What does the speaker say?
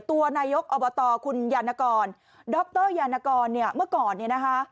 ตัวนายกอบตคุณยานกรดรยานกรเนี่ยเมื่อก่อนเนี่ยนะคะ